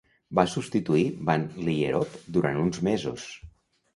Va substituir Van Lierop durant uns mesos.